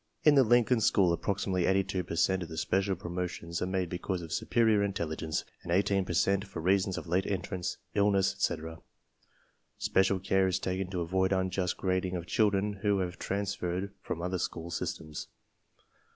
In the Lincoln School approximately 82 per cent of the special promo tions are made because of superior intelligence and 18 per cent for reasons of late entrance, illness, etc. Spe cial care is taken to avoid unjust grading of children who have transferred from other school systems.